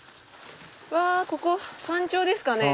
わあここ山頂ですかね。